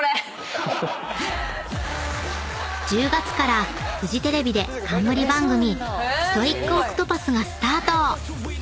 ［１０月からフジテレビで冠番組『ストイックＯＣＴＰＡＴＨ！』がスタート］